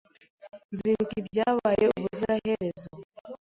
Nzibuka ibyabaye ubuziraherezo.